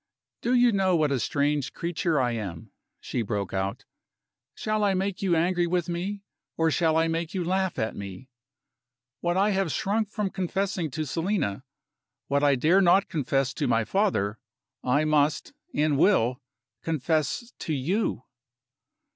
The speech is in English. "Do you know what a strange creature I am?" she broke out. "Shall I make you angry with me? or shall I make you laugh at me? What I have shrunk from confessing to Selina what I dare not confess to my father I must, and will, confess to You."